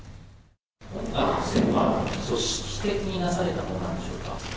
今回の不正は組織的になされたものなんでしょうか。